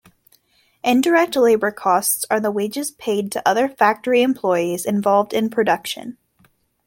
Indirect labor costs are the wages paid to other factory employees involved in production.